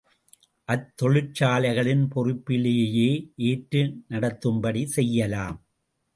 அத்தொழிற்சாலைகளின் பொறுப்பிலேயே ஏற்று நடத்தும்படி செய்யலாம்.